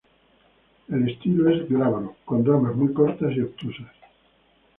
El estilo es glabro, con ramas muy cortas y obtusas.